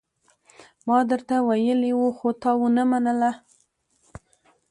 ما درته ويلي وو، خو تا ونه منله.